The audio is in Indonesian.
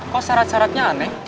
kok syarat syaratnya aneh